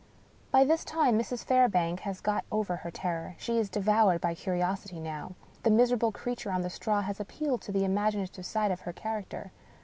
By this time Mrs. Fairbank has got over her terror ; she is devoured by curiosity now. The miserable creature on the straw has appealed to the imaginative side of her char acter.